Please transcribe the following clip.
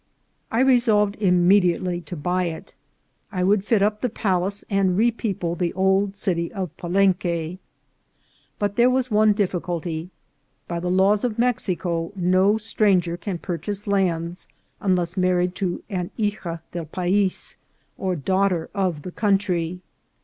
I resolved im mediately to buy it. I would fit up the palace and re people the old city of Palenque. But there was one difficulty : by the laws of Mexico no stranger can pur chase lands unless married to a hica del pais, or daugh ter of the country.